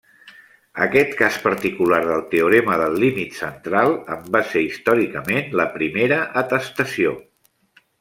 Aquest cas particular del teorema del límit central en va ser històricament la primera atestació.